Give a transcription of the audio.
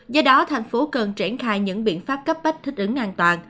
do đó thành phố cần triển khai những biện pháp cấp bách thích ứng an toàn